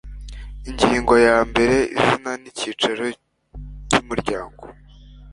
Ingingo ya mbere Izina n Icyicaro by Umuryango